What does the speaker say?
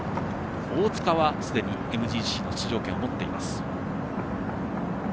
大塚はすでにＭＧＣの出場権を持っています。